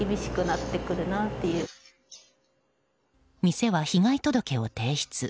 店は被害届を提出。